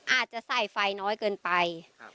อาจจะใส่ไฟน้อยเกินไป